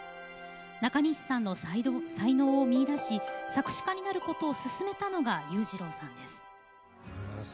なかにしさんの才能を見いだし作詞家になることを勧めたのが裕次郎さんです。